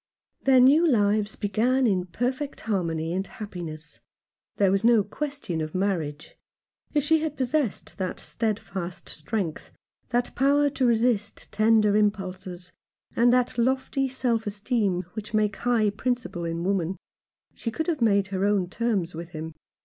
Their new lives began in perfect harmony and happiness. There was no question of marriage. If she had possessed that steadfast strength, that power to resist tender impulses, and that lofty self esteem which make high principle in woman, she could have made her own terms with him.